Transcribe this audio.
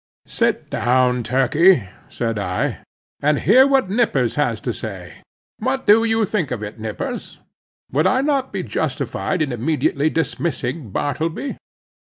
"Sit down, Turkey," said I, "and hear what Nippers has to say. What do you think of it, Nippers? Would I not be justified in immediately dismissing Bartleby?"